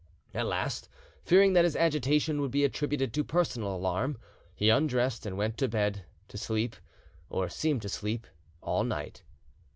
At last, fearing that his agitation would be attributed to personal alarm, he undressed and went to bed, to sleep, or seem to sleep all night.